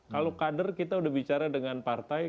kalau kader kita udah bicara dengan partai